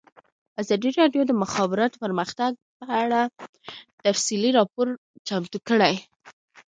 ازادي راډیو د د مخابراتو پرمختګ په اړه تفصیلي راپور چمتو کړی.